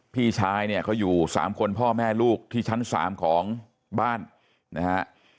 พี่ชายเนี่ยเขาอยู่๓คนพ่อแม่ลูกที่ชั้น๓ของบ้านนะฮะ